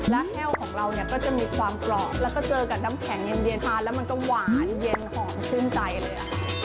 แล้วแห้วของเราเนี่ยก็จะมีความกรอบแล้วก็เจอกับน้ำแข็งเย็นทานแล้วมันก็หวานเย็นหอมชื่นใจเลย